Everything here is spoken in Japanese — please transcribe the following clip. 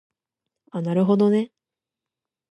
あなるほどね